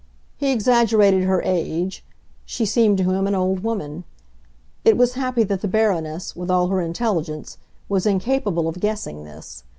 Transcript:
He exaggerated her age; she seemed to him an old woman; it was happy that the Baroness, with all her intelligence, was incapable of guessing this.